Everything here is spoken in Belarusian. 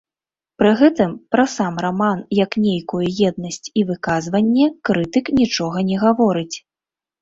Пры гэтым пра сам раман як нейкую еднасць і выказванне крытык нічога не гаворыць.